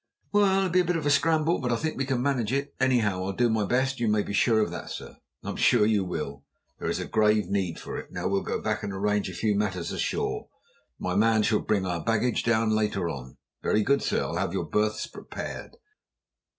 "Well, it will be a bit of a scramble, but I think we can manage it. Anyhow, I'll do my best, you may be sure of that, sir." "I'm sure you will. There is grave need for it. Now we'll go back and arrange a few matters ashore. My man shall bring our baggage down later on." "Very good, sir. I'll have your berths prepared."